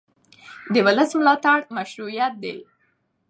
د ولس ملاتړ مشروعیت دی